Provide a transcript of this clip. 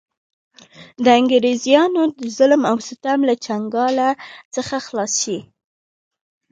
د انګرېزانو د ظلم او ستم له چنګاله څخه خلاص شـي.